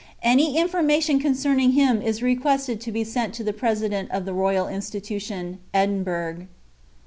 "Any information concerning him is requested to be sent to the President of the Royal Institution, Edinburgh."